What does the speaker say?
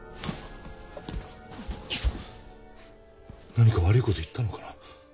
何か悪い事を言ったのかな？